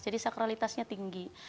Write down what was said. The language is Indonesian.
jadi sakralitasnya tinggi